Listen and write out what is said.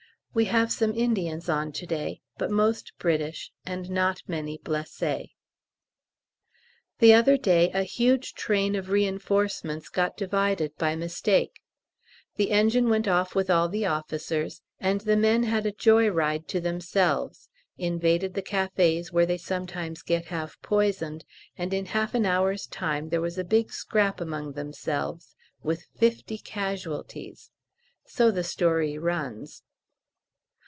We have some Indians on to day, but most British, and not many blessés. The other day a huge train of reinforcements got divided by mistake: the engine went off with all the officers, and the men had a joy ride to themselves, invaded the cafés, where they sometimes get half poisoned, and in half an hour's time there was a big scrap among themselves, with fifty casualties. So the story runs.